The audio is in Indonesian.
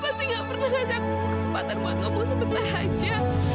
kenapa sih gak pernah kasih aku kesempatan buat ngomong sebentar aja